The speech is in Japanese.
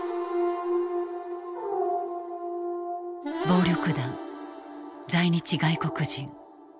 暴力団在日外国人。